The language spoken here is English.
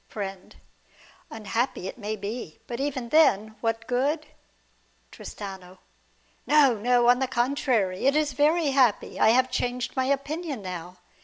Friend. Unhappy it may be. But even then, what good ... Tristano. No, no; on the contrary, it is very happy. I have changed my opinion now.